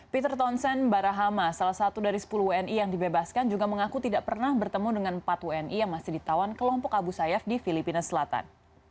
peter tonsen barahama salah satu dari sepuluh wni yang dibebaskan juga mengaku tidak pernah bertemu dengan empat wni yang masih ditawan kelompok abu sayyaf di filipina selatan